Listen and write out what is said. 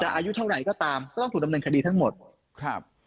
อายุเท่าไหร่ก็ตามก็ต้องถูกดำเนินคดีทั้งหมดครับ